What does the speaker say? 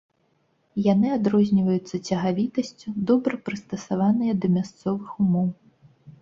Яны адрозніваюцца цягавітасцю, добра прыстасаваныя да мясцовых умоў.